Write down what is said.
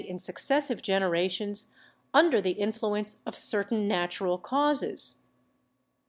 in successive generations, under the influence of certain natural causes.